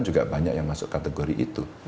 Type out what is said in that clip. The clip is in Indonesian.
juga banyak yang masuk kategori itu